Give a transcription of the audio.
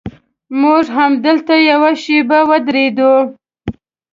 موږ همدلته یوه شېبه ودرېدو.